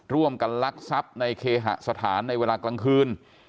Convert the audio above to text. ร่วมกันลักทรัพย์ในเขหะสถานในเวลากลางคืน